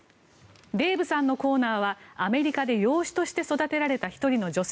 デーブさんのコーナーはアメリカで養子として育てられた１人の女性。